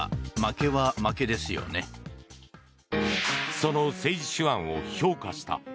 その政治手腕を評価した。